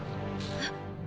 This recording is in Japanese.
えっ？